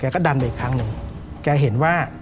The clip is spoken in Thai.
แกเห็นว่า